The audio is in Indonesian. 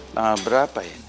nah berapa ini